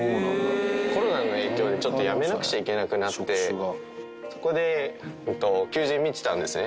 コロナの影響で、ちょっと辞めなきゃいけなくなってそこで求人を見てたんですね。